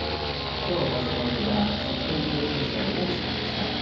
今日の対戦相手は関取経験者の王輝さんでした。